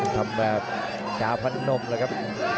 ทำแบบจาพันธุ์นมเลยครับ